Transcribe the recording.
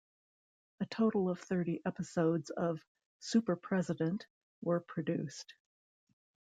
A total of thirty episodes of "Super President" were produced.